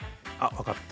分かった。